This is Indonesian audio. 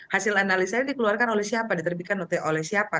hasil analisanya dikeluarkan oleh siapa diterbitkan oleh siapa